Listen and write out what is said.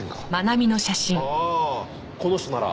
ああこの人なら。